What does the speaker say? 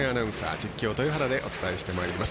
実況、豊原でお伝えしてまいります。